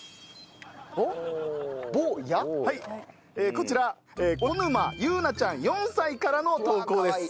こちら小沼ゆうなちゃん４歳からの投稿です。